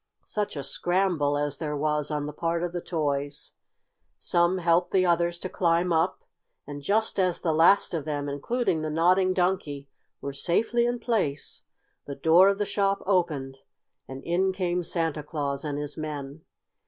Such a scramble as there was on the part of the toys! Some helped the others to climb up, and just as the last of them, including the Nodding Donkey, were safely in place, the door of the shop opened and in came Santa Claus and his men.